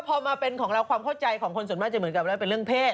พอมาเป็นของเราความเข้าใจของคนส่วนมากจะเหมือนกับว่าเป็นเรื่องเศษ